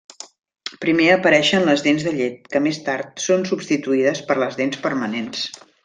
Primer apareixen les dents de llet, que més tard són substituïdes per les dents permanents.